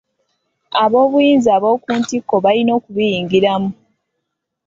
Ab'obuyinza ab'oku ntikko balina okubiyingiramu.